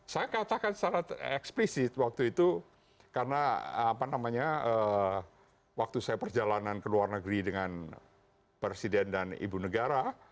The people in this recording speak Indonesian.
saya katakan secara eksplisit waktu itu karena waktu saya perjalanan ke luar negeri dengan presiden dan ibu negara